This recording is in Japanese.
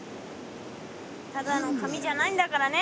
ただの紙じゃないんだからね。